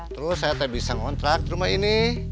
terus saya tak bisa ngontrak rumah ini